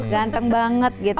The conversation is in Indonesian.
ganteng banget gitu